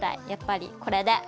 やっぱりこれで。